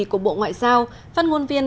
của bộ ngoại giao phát ngôn viên